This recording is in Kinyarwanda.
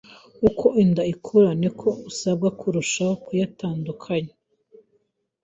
uko inda ikura niko usabwa kurushaho kuyatandukanya.